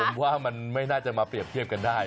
ผมว่ามันไม่น่าจะมาเปรียบเทียบกันได้